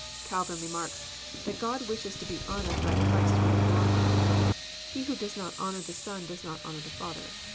'* Calvin remarks, that God wishes to be honoured by Christ being glorified. '< He who does not honour the Son does not honour the Father."